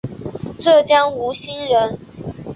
浙江吴兴人。